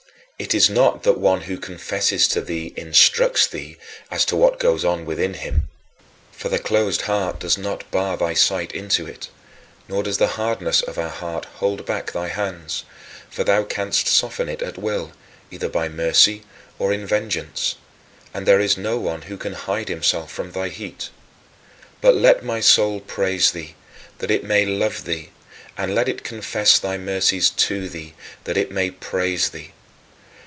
" It is not that one who confesses to thee instructs thee as to what goes on within him. For the closed heart does not bar thy sight into it, nor does the hardness of our heart hold back thy hands, for thou canst soften it at will, either by mercy or in vengeance, "and there is no one who can hide himself from thy heat." But let my soul praise thee, that it may love thee, and let it confess thy mercies to thee, that it may praise thee.